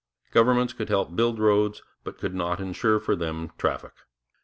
Governments could help to build roads, but could not ensure for them traffic.